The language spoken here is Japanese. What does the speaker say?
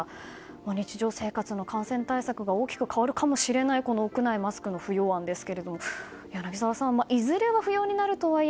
日常生活の感染対策が大きく変わるかもしれない屋内マスクの不要案ですが柳澤さんいずれは不要になるとはいえ